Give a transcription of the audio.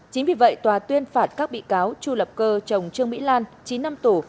chính vì vậy tòa tuyên phạt các bị cáo chu lập cơ chồng trương mỹ lan chín năm tù